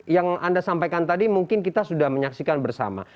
yang anda sampaikan tadi mungkin kita sudah menyaksikan bersama